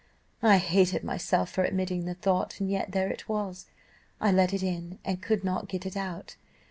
"I hated myself for admitting the thought, and yet there it was; I let it in, and could not get it out.